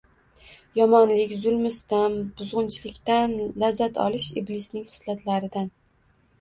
Yomonlik, zulmu sitam, buzgʻunchilikdan lazzat olish iblisning xislatlaridan